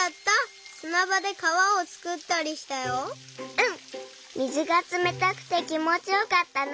うん水がつめたくてきもちよかったな。